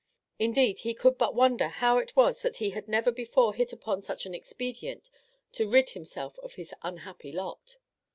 Indeed he could but wonder how it was that he had never before hit upon such an expedient to rid himself of his unhappy lot.